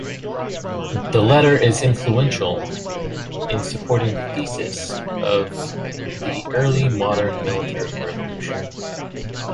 The letter is influential in supporting the thesis of the early-modern Military Revolution.